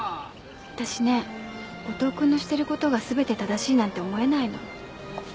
わたしね五島君のしてることがすべて正しいなんて思えないの。